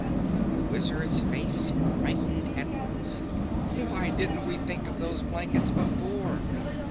The Wizard's face brightened at once. "Why didn't we think of those blankets before?"